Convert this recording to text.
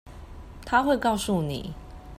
她會告訴你